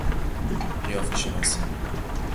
قیافه شناسی